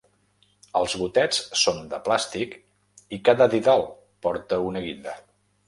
Els gotets són de plàstic i cada didal porta una guinda.